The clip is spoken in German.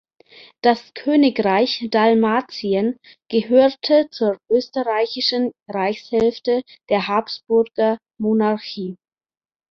Das Königreich Dalmatien gehörte zur österreichischen Reichshälfte der Habsburger-Monarchie.